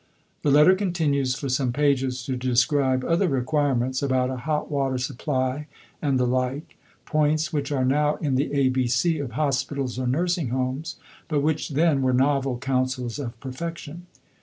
The letter continues for some pages to describe other requirements about a hot water supply and the like; points which are now in the A B C of hospitals or nursing homes, but which then were novel counsels of perfection.